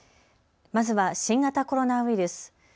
まずは新型コロナウイルス。